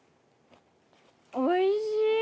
おいしい！